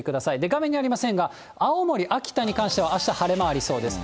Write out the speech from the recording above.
画面にありませんが、青森、秋田に関しては、あした晴れ間ありそうです。